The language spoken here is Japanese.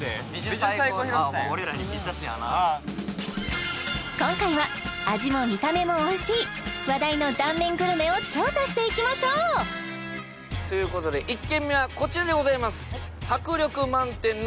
ビジュ最高拾ってたんや今回は味も見た目もおいしい話題の断面グルメを調査していきましょうということで１軒目はこちらでございます